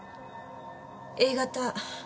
Ａ型。